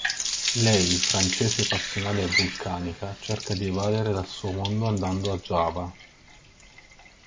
Lei, francese passionale e vulcanica, cerca di evadere dal suo mondo andando a Giava.